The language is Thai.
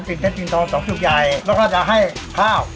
เป็นเท็จจีนตอนสองสุขยายแล้วก็จะให้ข้าว